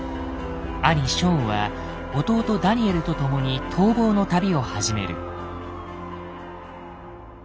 兄ショーンは弟ダニエルと共に逃亡の旅を始める。